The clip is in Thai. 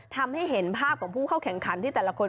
ทำให้เห็นภาพของผู้เข้าแข่งขันที่แต่ละคน